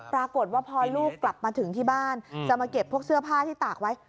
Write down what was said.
ปรากฏว่าพอลูกกลับมาถึงที่บ้านจะมาเก็บพวกเสื้อผ้าที่ตากไว้